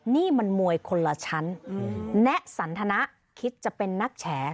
นี่มันมวยคนละชั้นแนะสันทนะคิดจะเป็นนักแฉ